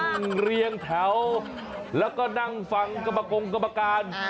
นั่งเรียงแถวแล้วก็นั่งฝังกระปะกรงกระปะการ